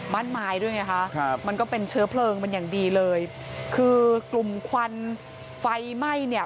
บ้านไม้ด้วยไหมคะมันก็เป็นเชื้อเพลิงมันอย่างดีเลยคือกลุ่มควันไฟไหม้